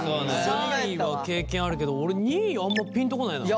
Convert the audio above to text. ３位は経験あるけど俺２位あんまピンとこないな。